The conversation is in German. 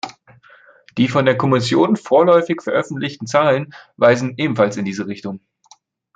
Die von der Kommission vorläufig veröffentlichten Zahlen weisen ebenfalls in diese Richtung.